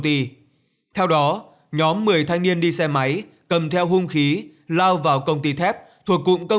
ti theo đó nhóm một mươi thanh niên đi xe máy cầm theo hung khí lao vào công ty thép thuộc cụm công